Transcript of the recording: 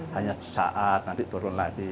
hanya sesaat nanti turun lagi